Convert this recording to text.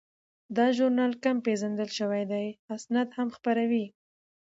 دا ژورنال کم پیژندل شوي اسناد هم خپروي.